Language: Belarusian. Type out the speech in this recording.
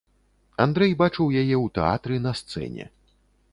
Андрэй бачыў яе ў тэатры на сцэне.